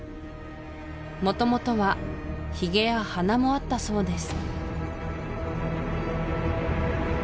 元々はヒゲや鼻もあったそうです